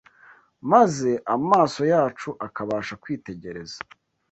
maze amaso yacu akabasha kwitegereza